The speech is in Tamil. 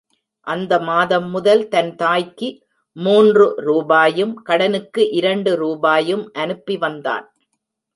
அந்த மாதம் முதல் தன் தாய்க்கு மூன்று ரூபாயும் கடனுக்கு இரண்டு ரூபாயும் அனுப்பி வந்தான்.